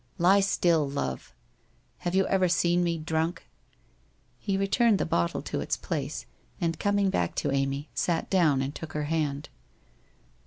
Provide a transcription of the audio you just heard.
' Lie still, Love !... Have you ever seen me drunk ?' He returned the bottle to its place, and coming back to Amy, sat down and took her hand.